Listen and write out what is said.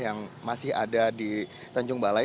yang masih ada di tanjung balai